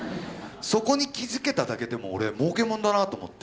そこに気付けただけでも俺もうけもんだなと思って。